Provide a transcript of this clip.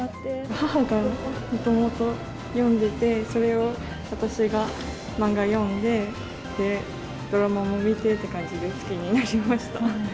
母がもともと読んでて、それを私が漫画読んで、ドラマも見てって感じで、好きになりました。